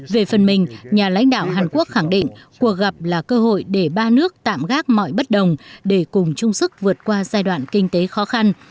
về phần mình nhà lãnh đạo hàn quốc khẳng định cuộc gặp là cơ hội để ba nước tạm gác mọi bất đồng để cùng chung sức vượt qua giai đoạn kinh tế khó khăn